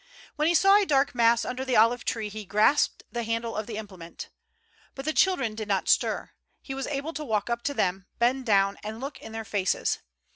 When he saw a dark mass under the olive tree he grasped the handle of the implement. But the children did not stir, he was able to walk up to them, bend down, and look in their faces.